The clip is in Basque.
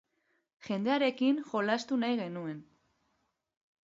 Jendearekin jolastu nahi genuen.